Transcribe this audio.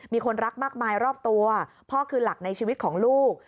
มีคนรักมากมายรอบตัวพ่อคือหลักในชีวิตของลูก